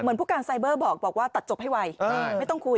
ผู้การไซเบอร์บอกว่าตัดจบให้ไวไม่ต้องคุย